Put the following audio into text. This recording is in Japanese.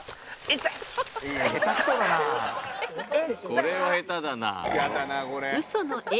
「これは下手だな」